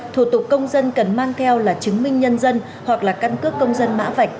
thủ tục công dân cần mang theo là chứng minh nhân dân hoặc là căn cước công dân mã vạch